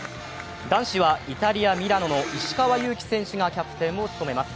男子はイタリア・ミラノの石川祐希選手がキャプテンを務めます。